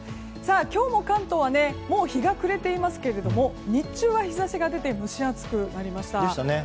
今日も関東はもう日が暮れていますけども日中は日差しが出て蒸し暑くなりました。